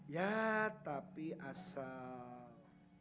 ya tapi asal